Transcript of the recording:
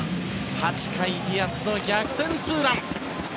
８回、ディアスの逆転ツーラン。